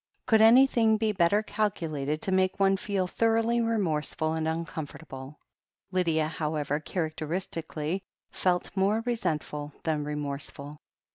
Could an)rthing be better calculated to make one feel thoroughly remorseful and imcomfortable? Lydia, however, characteristically felt more resent ful than remorseful.